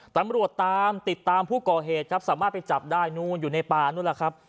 ตำรวจตามติดตามผู้ก่อเหตุครับสามารถไปจับได้นู่นอยู่ในป่านู้นแหละครับ